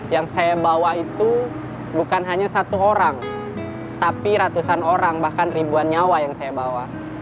yang saya bawa itu bukan hanya satu orang tapi ratusan orang bahkan ribuan nyawa yang saya bawa